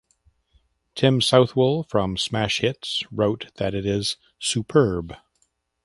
Tim Southwell from "Smash Hits" wrote that it is "superb".